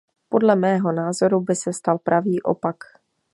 Podle mého názoru by se stal pravý opak.